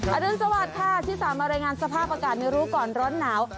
อันนั้นสวัสดีค่ะที่สามรายงานสภาพอากาศในรู้ก่อนร้อนหนาว